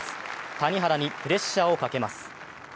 谷原にプレッシャーをかけます。